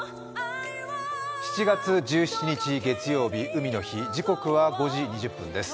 ７月１７日月曜日、海の日、時刻は５時２０分です。